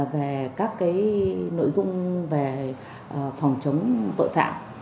về các nội dung về phòng chống tội phạm